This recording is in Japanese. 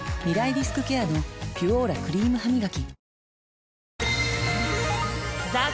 リスクケアの「ピュオーラ」クリームハミガキ